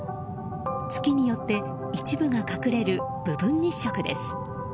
月によって一部が隠れる部分日食です。